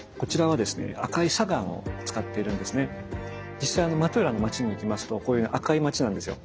実際マトゥラーの街に行きますとこういう赤い街なんですよ。へ。